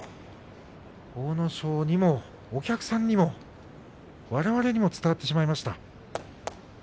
阿武咲にも、お客さんにもわれわれにも伝わってしまいました。